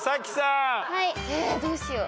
えどうしよう。